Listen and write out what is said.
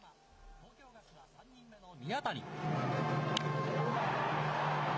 東京ガスは３人目の宮谷。